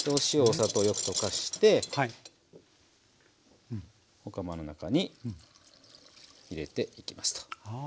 お砂糖をよく溶かしてお釜の中に入れていきますと。